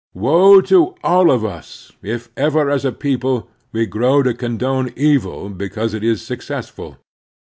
Woe to all of us if ever as a people we grow to condone evil because it is successful.